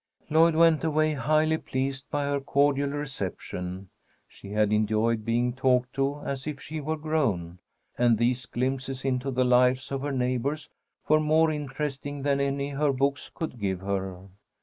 Lloyd went away highly pleased by her cordial reception. She had enjoyed being talked to as if she were grown, and these glimpses into the lives of her neighbours were more interesting than any her books could give her.